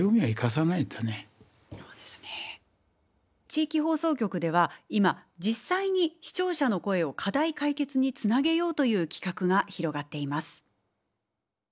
地域放送局では今実際に視聴者の声を課題解決につなげようという企画が広がっています。